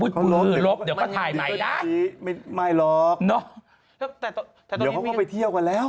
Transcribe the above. เดี๋ยวเขาก็ไปเที่ยวกันแล้ว